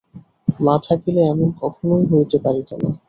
মা থাকিলে এমন কখনোই হইতে পারিত না।